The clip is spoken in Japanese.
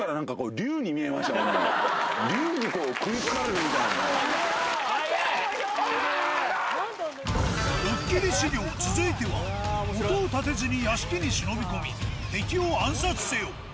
竜にこう、ドッキリ修行、続いては、音を立てずに屋敷に忍び込み、敵を暗殺せよ。